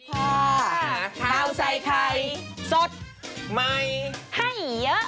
พ่อข่าวใส่ไทยสดใหม่ให้เยอะ